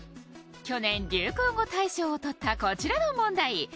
去年流行語大賞をとったこちらの問題。